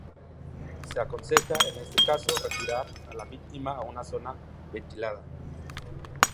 Se aconseja en este caso retirar a la víctima a una zona ventilada.